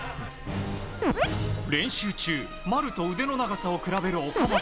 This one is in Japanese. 練習中、丸と腕の長さを比べる岡本。